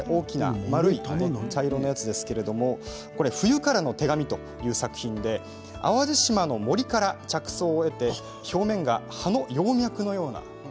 丸い茶色のものなんですが「冬からの手紙」という作品で淡路島の森から着想を得て表面が葉の葉脈のような。